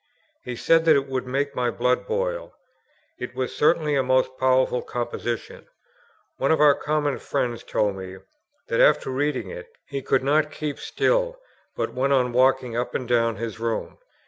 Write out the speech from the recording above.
He said that it would make my blood boil. It was certainly a most powerful composition. One of our common friends told me, that, after reading it, he could not keep still, but went on walking up and down his room.